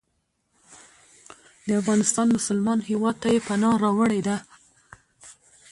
د افغانستان مسلمان هیواد ته یې پناه راوړې ده.